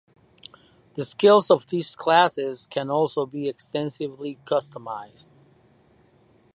The skills of these classes can also be extensively customised.